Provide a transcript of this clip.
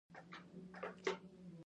باد د ژمې سړه څپه راوړي